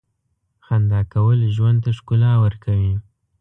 • خندا کول ژوند ته ښکلا ورکوي.